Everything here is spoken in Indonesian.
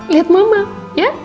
lihat mama ya